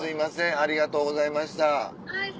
ありがとうございます。